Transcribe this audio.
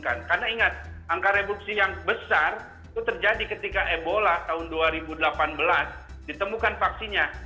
karena ingat angka reproduksi yang besar itu terjadi ketika ebola tahun dua ribu delapan belas ditemukan vaksinnya